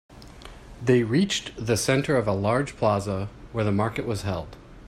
They reached the center of a large plaza where the market was held.